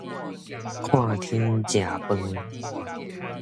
看天食飯